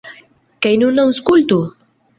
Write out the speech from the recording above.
Kaj nun aŭskultu!